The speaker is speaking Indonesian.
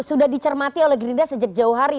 sudah dicermati oleh gerindra sejak jauh hari